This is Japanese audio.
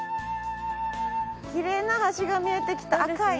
きれいな橋が見えてきた赤い。